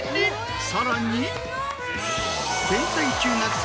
さらに。